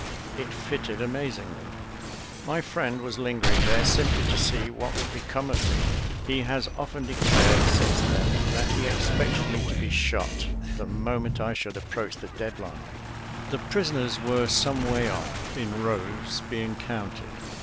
It fitted amazingly. My friend was lingering there, simply to see what would become of me. He has often declared since then that he expected me to be shot the moment I should approach the dead line. The prisoners were some way off, in rows, being counted.